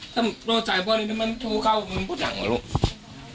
ถ้าเราจ่ายบอลมันโทรเข้ามันพูดดังเหรอลูก